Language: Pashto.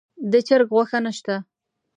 د چرګ غوښه نه شته.